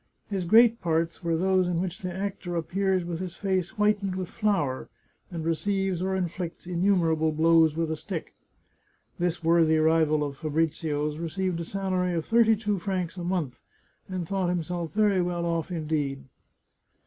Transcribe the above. His great parts were those in which the actor appears with his face whitened with flour, and receives or inflicts innumerable blows with a stick. This worthy rival of Fabrizio's received a salary of thirty two francs a month, and thought himself very well off in deed.